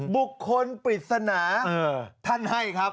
บุคคลปริศนาท่านให้ครับ